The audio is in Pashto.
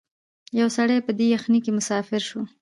یو سړی په دې یخنۍ کي مسافر سو